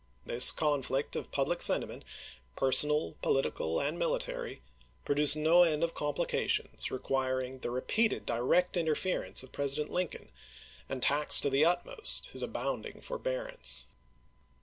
This conflict of public sentiment — per sonal, political, and military — produced no end of complications requiring the repeated direct inter ference of President Lincoln, and taxed to the utmost his abounding forbearance.